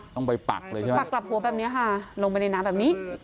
ต้องไปปักเลยใช่ไหมปักกลับหัวแบบนี้ค่ะลงไปในน้ำแบบนี้